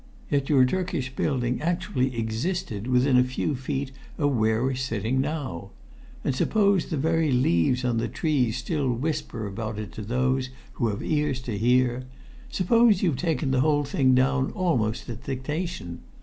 Yet your Turkish building actually existed within a few feet of where we're sitting now; and suppose the very leaves on the trees still whisper about it to those who have ears to hear; suppose you've taken the whole thing down almost at dictation!